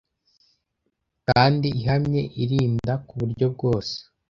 kandi ihamye irinda ku buryo bwose